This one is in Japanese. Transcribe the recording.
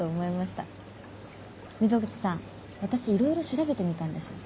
溝口さん私いろいろ調べてみたんです。